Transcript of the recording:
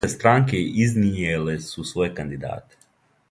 Друге странке изнијеле су своје кандидате.